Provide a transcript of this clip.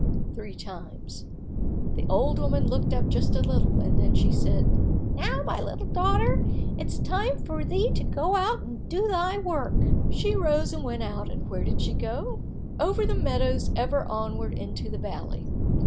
three times. The old woman looked up just a little, then she said, "Now, my little daughter, it is time for thee to go out and do thy work." She rose and went out, and where did she go? Over the meadows ever onward into the valley.